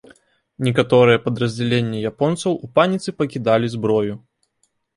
Некаторыя падраздзялення японцаў у паніцы пакідалі зброю.